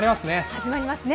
始まりますね。